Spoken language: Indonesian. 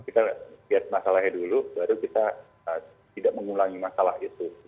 kita lihat masalahnya dulu baru kita tidak mengulangi masalah itu